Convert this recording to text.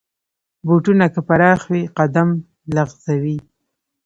بوټونه که پراخ وي، قدم لغزوي.